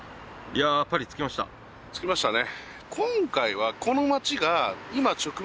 着きましたね